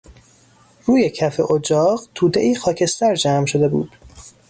روی کف اجاق تودهای خاکستر جمع شده بود.